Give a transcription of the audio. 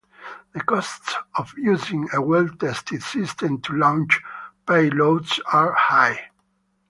The costs of using a well-tested system to launch payloads are high.